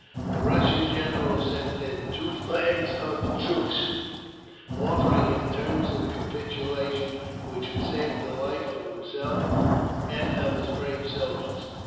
The Russian general sent in two flags of truce, offering him terms of capitulation which would save the life of himself and of his brave soldiers.